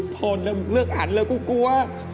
พอแล้วมึงเลือกอันแล้วกูกลัว